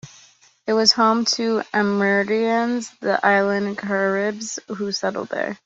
It was home to Amerindians, the Island Caribs, who settled there.